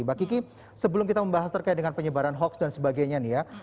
mbak kiki sebelum kita membahas terkait dengan penyebaran hoax dan sebagainya nih ya